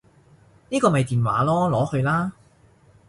呢個咪電話囉，攞去啦